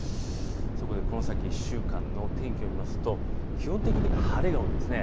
この先、１週間の天気を見ますと、基本的に晴れが多いんです。